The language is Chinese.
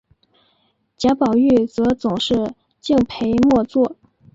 贾宝玉则总是敬陪末座。